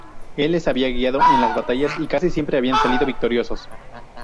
Él les había guiado en las batallas y casi siempre habían salido victoriosos.